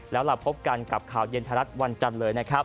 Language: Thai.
แล้วเราพบกันกับข่าวเย็นไทยรัฐวันจันทร์เลยนะครับ